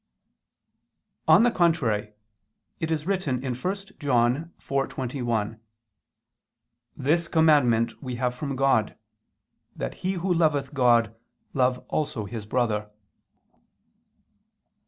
On the contrary, It is written (1 John 4:21): "This commandment we have from God, that he who loveth God, love also his brother."